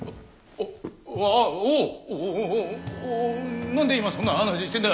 おおおお何で今そんな話してんだ！